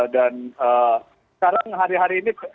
dan sekarang hari hari ini